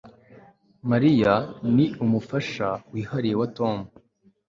Mariya ni umufasha wihariye wa Tom